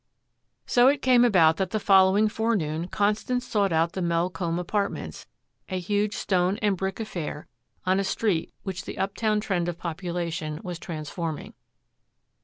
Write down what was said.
So it came about that the following forenoon Constance sought out the Melcombe Apartments, a huge stone and brick affair on a street which the uptown trend of population was transforming.